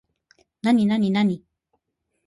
なになになに